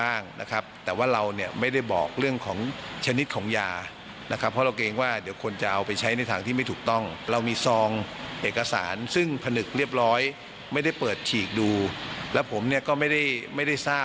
อันนี้ก็พูดอย่างนี้ไม่ได้ไปกล่าวหาเขา